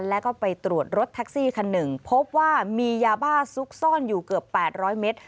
แล้วก็ไปตรวจรถแท็กซี่คันหนึ่งพบว่ามียาบ้าซุกซ่อนอยู่เกือบ๘๐๐เมตร